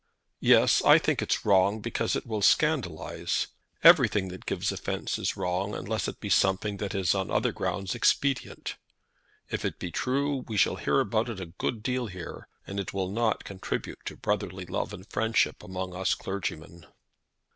"Yes; I think it's wrong because it will scandalise. Everything that gives offence is wrong, unless it be something that is on other grounds expedient. If it be true we shall hear about it a good deal here, and it will not contribute to brotherly love and friendship among us clergymen."